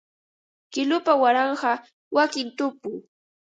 Kilupa waranqa wakin tupu